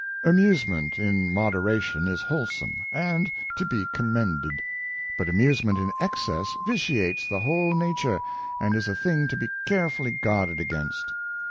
^' Amusement in moderation is wholesome, and to be commended ; but amusement in excess vitiates the whole nature, and is a thing to be carefully guarded against.